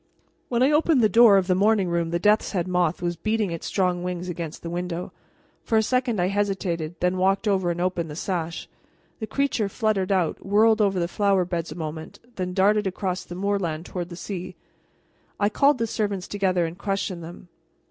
When I opened the door of the morning room the death's head moth was beating its strong wings against the window. For a second I hesitated, then walked over and opened the sash. The creature fluttered out, whirred over the flower beds a moment, then darted across the moorland toward the sea. I called the servants together and questioned them.